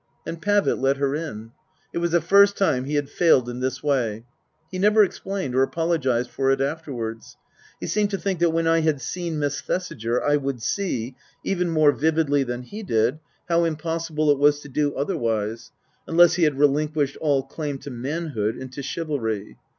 And Pavitt let her in. (It was the first time he had failed in this way.) He never explained or apologized for it afterwards. He seemed to think that when I had seen Miss Thesiger I would see, even more vividly than he did, how impossible it was to do otherwise, unless he had relinquished all claim to manhood and to chivalry.